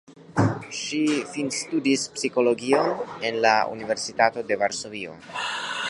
Ŝi finstudis psikologion en la Universitato de Varsovio.